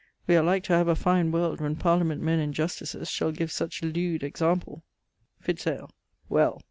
We are like to have a fine world when Parliament men and Justices shall give such lewd example.... Fitz ale. Well!